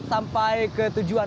sampai ke tujuan